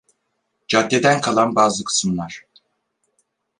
Caddeden kalan bazı kısımlar.